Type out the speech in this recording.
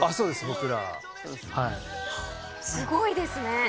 はあすごいですね。